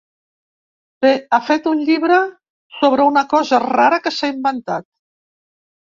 Bé, ha fet un llibre sobre una cosa rara que s'ha inventat.